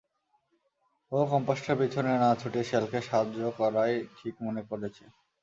ও কম্পাসটার পিছনে না ছুটে শেয়ালকে সাহায্য করাই ঠিক মনে করেছে।